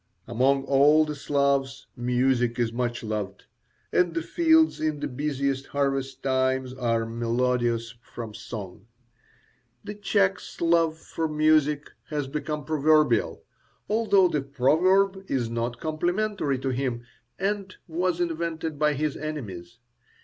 Among all the Slavs music is much loved, and the fields in the busiest harvest time are melodious from song. The Czech's love for music has become proverbial, although the proverb is not complimentary to him and was invented by his enemies.